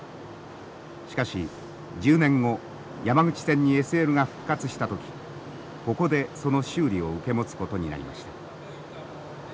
しかし１０年後山口線にＳＬが復活した時ここでその修理を受け持つことになりました。